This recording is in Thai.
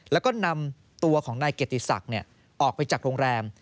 แล้วก็นำตัวของนายเกียรติศักดิ์ออกไปจากโรงแรม